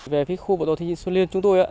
về khu bảo tồn thế nhiên xuân liên chúng tôi